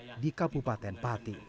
mereka juga menolak pabrik semen